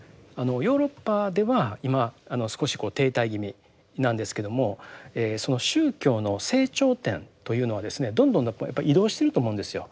ヨーロッパでは今あの少しこう停滞気味なんですけどもその宗教の成長点というのはですねどんどんやっぱり移動してると思うんですよ。